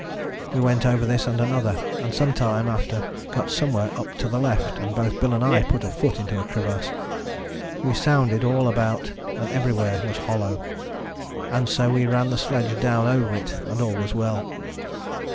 We went over this and another, and some time after got somewhere up to the left, and both Bill and I put a foot into a crevasse. We sounded all about and everywhere was hollow, and so we ran the sledge down over it and all was well."